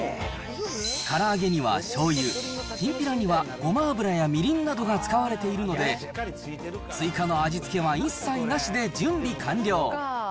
から揚げにはしょうゆ、きんぴらにはごま油やみりんなどが使われているので、追加の味付けは一切なしで準備完了。